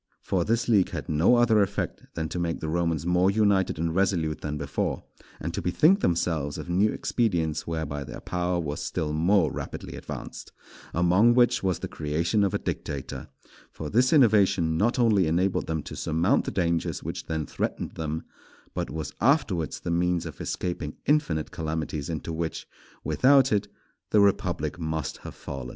For this league had no other effect than to make the Romans more united and resolute than before, and to bethink themselves of new expedients whereby their power was still more rapidly advanced; among which was the creation of a dictator; for this innovation not only enabled them to surmount the dangers which then threatened them, but was afterwards the means of escaping infinite calamities into which, without it, the republic must have fallen.